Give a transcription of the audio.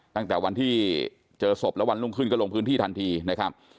ตั้งแต่วันที่เจอศพแล้ววันรุ่งขึ้นก็ลงพื้นที่ทันทีนะครับ